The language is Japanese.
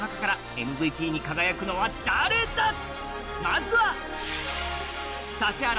まずは！